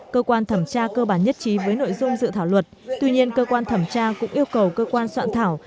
cơ quan thẩm tra cơ bản nhất trí với nội dung dự thảo luật tuy nhiên cơ quan thẩm tra cũng yêu cầu cơ quan soạn thảo